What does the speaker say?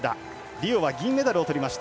リオは銀メダルをとりました。